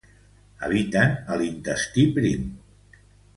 Habiten a l'intestí prim.